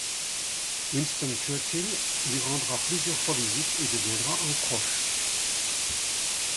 Winston Churchill lui rendra plusieurs fois visite et deviendra un proche.